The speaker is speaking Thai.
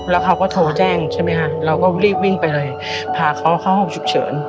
แล้วเขาก็โทรแจ้งใช่ไหมฮะเราก็รีบวิ่งไปเลยพาเขาเข้าห้องฉุกเฉิน